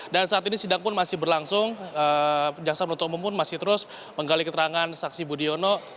dan saat ini sidang pun masih berlangsung jaksa merdeka umum pun masih terus menggali keterangan saksi budiono